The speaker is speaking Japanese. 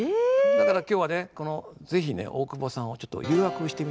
だから今日はね是非ね大久保さんをちょっと誘惑をしてみたいなと。